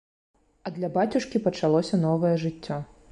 А для бацюшкі пачалося новае жыццё.